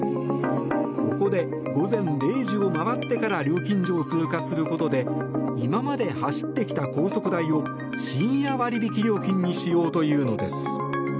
そこで、午前０時を回ってから料金所を通過することで今まで走ってきた高速代を深夜割引料金にしようというのです。